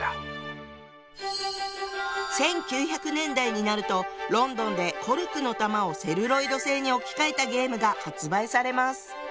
１９００年代になるとロンドンでコルクの球をセルロイド製に置き換えたゲームが発売されます。